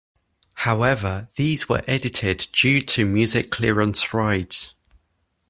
However, these were edited due to music clearance rights.